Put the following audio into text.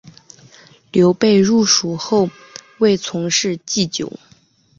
刘备入蜀后为从事祭酒。